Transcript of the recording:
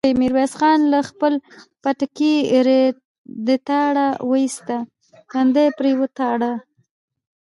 ميرويس خان له خپل پټکي ريتاړه واېسته، تندی يې پرې وتاړه.